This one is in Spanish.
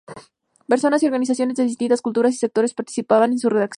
Personas y organizaciones de distintas culturas y sectores participaron en su redacción.